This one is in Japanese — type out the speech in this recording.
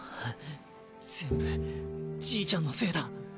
全部じいちゃんのせいだ。